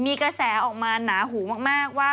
พี่พัดาเต็มมากคุณของรัฐวัน